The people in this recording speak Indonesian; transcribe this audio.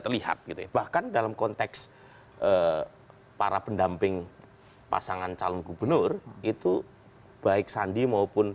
terlihat gitu ya bahkan dalam konteks para pendamping pasangan calon gubernur itu baik sandi maupun